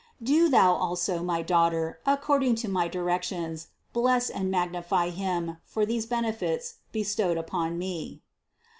Do thou also, my Daughter, according to my directions, bless and magnify Him for these benefits bestowed upon me.